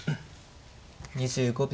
２５秒。